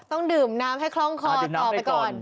ต้องดื่มน้ำให้คล่องคอต่อไปก่อน